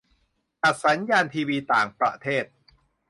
- ตัดสัญญาณทีวีต่างประเทศ